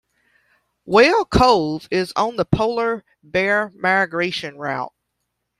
Whale Cove is on the polar bear migration route.